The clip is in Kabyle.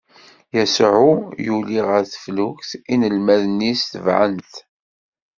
Yasuɛ yuli ɣer teflukt, inelmaden-is tebɛen-t.